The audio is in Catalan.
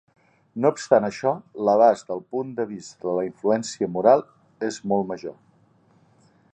No obstant això, l'abast del punt de vist de la influència moral és molt major.